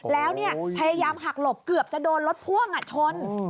แล้วพยายามหักหลบเกือบจะโดนรถพ่วงชน